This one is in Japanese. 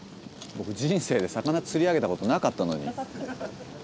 僕人生で魚釣り上げたことなかったのに。